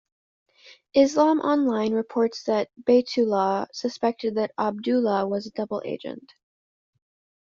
"Islam Online" reports that Baitullah suspected that Abdullah was a double agent.